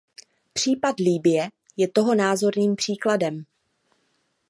Případ Libye je toho názorným příkladem.